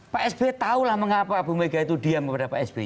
pak sby tahulah mengapa bumega itu diam kepada pak sby